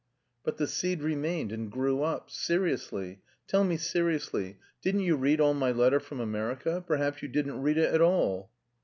But the seed remained and grew up. Seriously, tell me seriously, didn't you read all my letter from America, perhaps you didn't read it at all?"